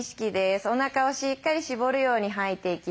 おなかをしっかり絞るように吐いていきましょう。